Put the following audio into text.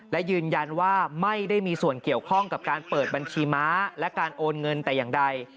และยืนยันว่าไม่ได้มีส่วนเกี่ยวข้องกับการเปิดบัญชีม้าและการโอนเงินแต่อย่างใด